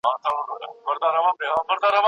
څوک غواړي امنیت په بشپړ ډول کنټرول کړي؟